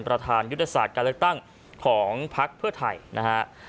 ประธานยุทธศาสตร์การเลือกตั้งของพักเพื่อไทยนะฮะ